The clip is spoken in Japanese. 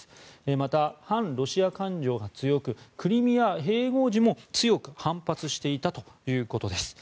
また、反ロシア感情が強くクリミア併合時も強く反発していたということです。